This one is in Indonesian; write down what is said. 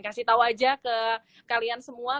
kasih tahu aja ke kalian semua